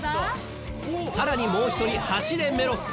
更にもう１人『走れメロス』。